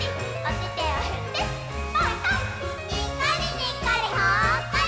にっこりにっこりほっこり！